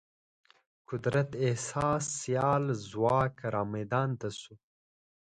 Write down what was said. قدرت احساس سیال ځواک رامیدان ته شوی.